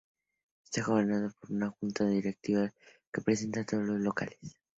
Esta gobernado por una junta directiva que representa a todos los locales.